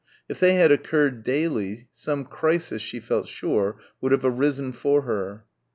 If they had occurred daily, some crisis, she felt sure would have arisen for her.